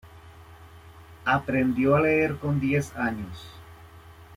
Aprendió a leer con diez años.